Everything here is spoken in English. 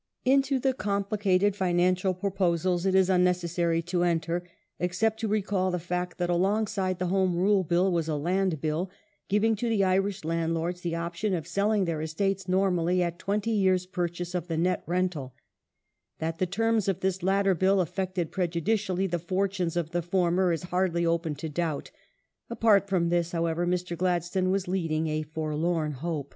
Into the complicated financial proposals it is unnecessary to enter, except to recall the fact that alongside the Home Rule Bill was a Land Bill, giving to the Irish landlords the option of selling their estates normally at twenty years' purchase of the nett rental That the terms of this latter Bill affected prejudicially the fortunes of the former is hardly open to doubt ; apart from this, however, Mr. Gladstone was leading a forlorn hope.